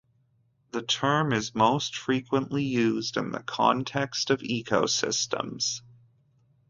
The term is most frequently used in the context of ecosystems.